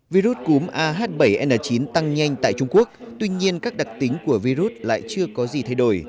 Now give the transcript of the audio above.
virus cúm ah bảy n chín tăng nhanh tại trung quốc tuy nhiên các đặc tính của virus lại chưa có gì thay đổi